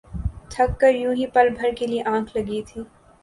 تھک کر یوں ہی پل بھر کے لیے آنکھ لگی تھی